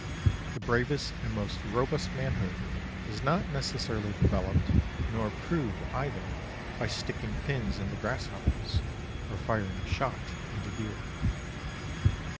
The bravest and most robust manhood is not necessarily developed nor proved either by sticking pins into grasshoppers or firing shot into deer.